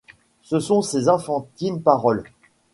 Ce sont ses enfantines paroles.